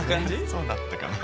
そうだったかな。